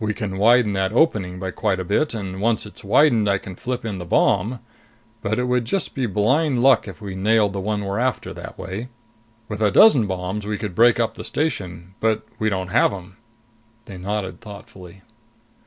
We can widen that opening by quite a bit, and once it's widened, I can flip in the bomb. But it would be just blind luck if we nailed the one we're after that way. With a dozen bombs we could break up the station. But we don't have them." They nodded thoughtfully.